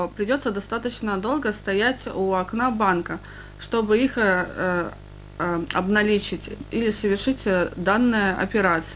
kita harus berada di atas bank untuk menemukan mereka atau melakukan operasi